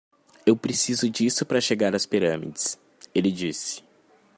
"Eu preciso disso para chegar às Pirâmides?" ele disse.